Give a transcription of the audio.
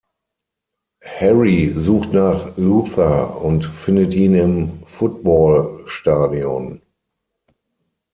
Harry sucht nach Luther und findet ihn im Footballstadion.